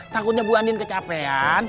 takutnya buandien kecapean